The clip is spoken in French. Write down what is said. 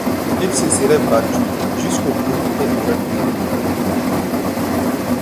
Il se serait battu jusqu'au bout et aurait péri dans les flammes.